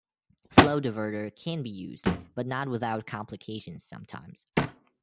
Flow diverter can be used but not without complications sometimes.